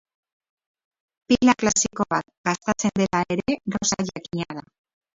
Pila klasiko bat gastatzen dela ere gauza jakina da.